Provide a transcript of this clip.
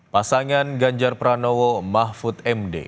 pasangan ganjar pranowo mahfud md